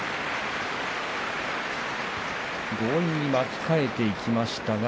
強引に巻き替えていきましたが。